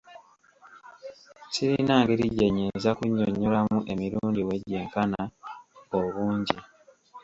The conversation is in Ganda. Sirina ngeri gye nnyinza kunnyonnyolamu emirundi we gyenkana obungi.